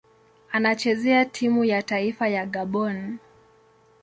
Anachezea timu ya taifa ya Gabon.